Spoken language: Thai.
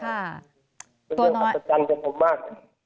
เป็นเรื่องอัศจรรย์กับผมมาก